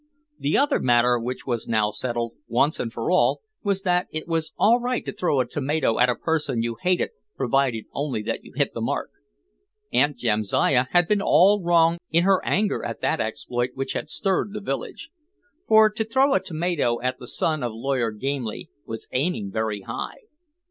The other matter which was now settled, once and for all, was that it was all right to throw a tomato at a person you hated provided only that you hit the mark. Aunt Jamsiah had been all wrong in her anger at that exploit which had stirred the village. For to throw a tomato at the son of Lawyer Gamely was aiming very high.